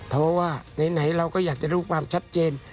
เพราะว่าไหนเราก็อยากจะรู้ความชัดเจน